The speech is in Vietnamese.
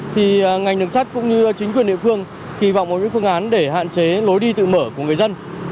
thì ngành đường sắt cũng như chính quyền địa phương kỳ vọng có những phương án để hạn chế lối đi tự mở của người dân